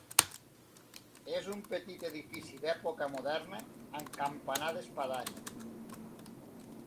És un petit edifici d'època moderna amb campanar d'espadanya.